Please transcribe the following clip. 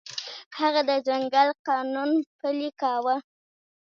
هغه د ځنګل قانون پلی کاوه.